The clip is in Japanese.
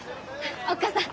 おっ母さん